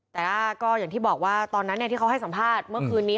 แต่ว่าก็อย่างที่บอกว่าตอนนั้นที่เขาให้สัมภาษณ์เมื่อคืนนี้